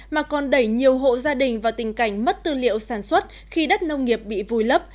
mà còn đẩy nhiều hộ gia đình vào tình cảnh mất tư liệu sản xuất khi đất nông nghiệp bị vùi lấp